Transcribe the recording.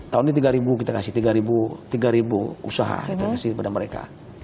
tahun ini tiga ribu kita kasih tiga ribu usaha kita kasih kepada mereka